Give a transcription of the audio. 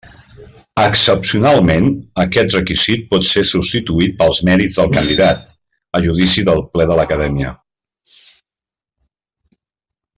Excepcionalment aquest requisit pot ser substituït pels mèrits del candidat, a judici del Ple de l'Acadèmia.